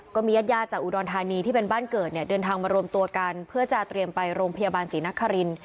ก็มีญาติญาติจากอุดรธานีที่เป็นบ้านเกิดเนี่ยเดินทางมารวมตัวกันเพื่อจะเตรียมไปโรงพยาบาลศรีนคริน